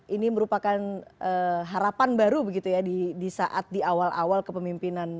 ini merupakan harapan baru begitu ya di saat di awal awal kepemimpinan